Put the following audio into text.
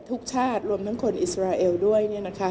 ทุกชาติรวมทั้งคนอิสราเอลด้วย